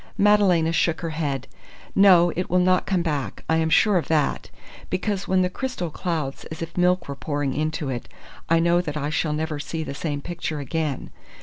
Madalena shook her head. "No, it will not come back. I am sure of that, because when the crystal clouds as if milk were pouring into it, I know that I shall never see the same picture again.